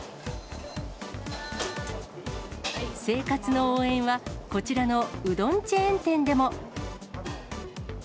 生活の応援は、こちらのうどんチェーン店でも。